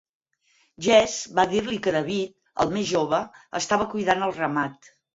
Jesse va dir-li que David, el més jove, estava cuidant el ramat.